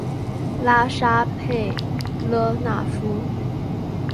拉沙佩勒纳夫。